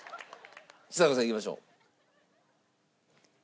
ちさ子さんいきましょう。